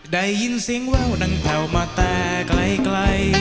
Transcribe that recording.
ได้ยินเสียงแววดังแผ่วมาแต่ไกล